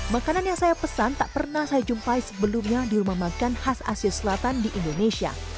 makanan yang saya pesan tak pernah saya jumpai sebelumnya di rumah makan khas asia selatan di indonesia